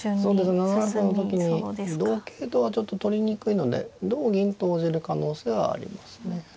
７七歩の時に同桂とはちょっと取りにくいので同銀と応じる可能性はありますね。